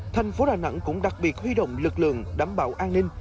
thành phố đà nẵng cũng đặc biệt huy động lực lượng đảm bảo an ninh